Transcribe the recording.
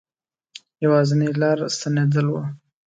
یوازنی لاره ستنېدل وه.